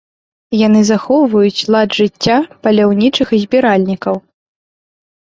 Яны захоўваюць лад жыцця паляўнічых і збіральнікаў.